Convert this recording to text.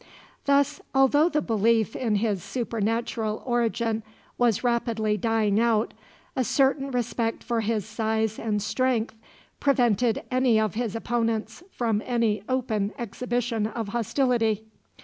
Thus, although the belief in his supernatural origin was rapidly dying out, a certain respect for his size and strength prevented any of his opponents from any open exhibition of hostility.